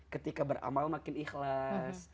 ketika beramal makin ikhlas